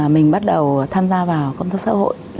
mình bắt đầu tham gia vào công tác xã hội